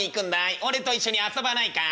俺と一緒に遊ばないかい？」。